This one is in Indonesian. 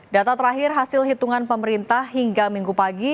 data terakhir hasil hitungan pemerintah hingga minggu pagi